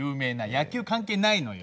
野球関係ないのよ。